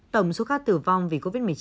tổng số ca tử vong vì covid một mươi chín